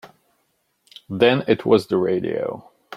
Then it was the radio.